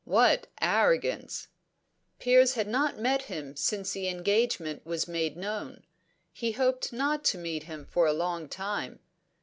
What arrogance! Piers had not met him since the engagement was made known; he hoped not to meet him for a long time.